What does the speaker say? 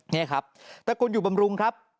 นี่ครับตะกุลอยู่บำรุงครับ